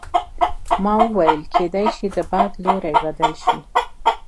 ما وویل کیدای شي د باد لوری بدل شي.